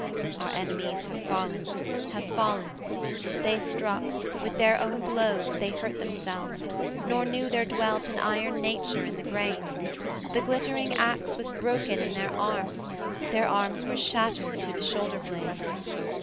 'Our enemies have fallen, have fallen: they struck; With their own blows they hurt themselves, nor knew There dwelt an iron nature in the grain: The glittering axe was broken in their arms, Their arms were shattered to the shoulder blade.